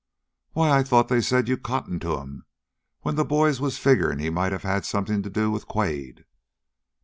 "Why, I thought they said you cottoned to him when the boys was figuring he might have had something to do with Quade?"